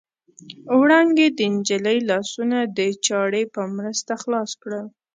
وړانګې د نجلۍ لاسونه د چاړې په مرسته خلاص کړل.